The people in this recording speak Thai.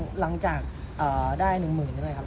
ก็หลังจากได้หนึ่งหมื่นใช่ไหมครับ